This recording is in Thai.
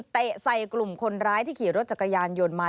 ใส่กลุ่มคนร้ายที่ขี่รถจักรยานยนต์มา